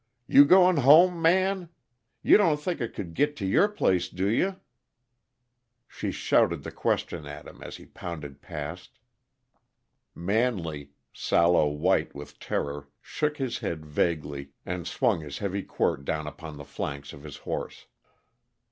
"You going home, Man? You don't think it could git to your place, do you?" She shouted the questions at him as he pounded past. Manley, sallow white with terror, shook his head vaguely and swung his heavy quirt down upon the flanks of his horse.